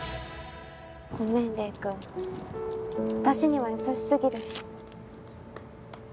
私には優しすぎる。